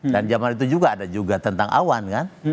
dan zaman itu juga ada juga tentang awan kan